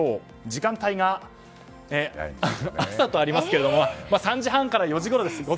時間帯が朝とありますが３時半から４時ごろです。